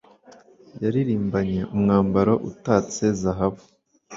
yarimbanye umwambaro utatse zahabu